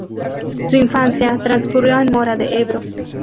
Su infancia transcurrió en Mora de Ebro.